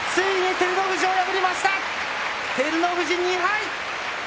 照ノ富士、２敗です。